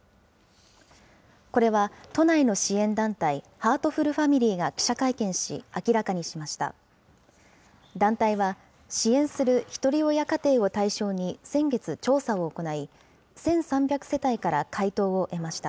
これは都内の支援団体、ハートフルファミリーが記者会見し、明らかにしました。